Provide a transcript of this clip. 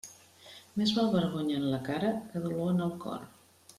Més val vergonya en la cara que dolor en el cor.